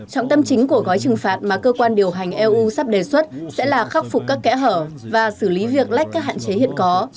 trọng tâm chính của gói trừng phạt mà cơ quan điều hành eu sắp đề xuất sẽ là khắc phục các kẽ hở và xử lý việc lách các hạn chế hiện có